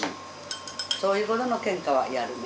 そういうことのケンカはやるね。